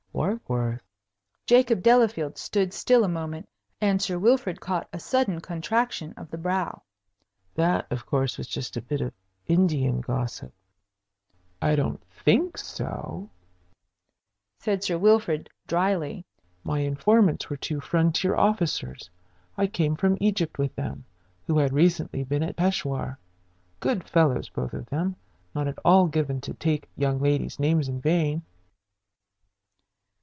"Warkworth?" Jacob Delafield stood still a moment, and Sir Wilfrid caught a sudden contraction of the brow. "That, of course, was just a bit of Indian gossip." "I don't think so," said Sir Wilfrid, dryly. "My informants were two frontier officers I came from Egypt with them who had recently been at Peshawar; good fellows both of them, not at all given to take young ladies' names in vain."